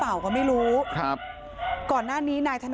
หมาก็เห่าตลอดคืนเลยเหมือนมีผีจริง